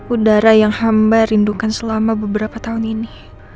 udara yang hamba rindukan selama beberapa tahun ini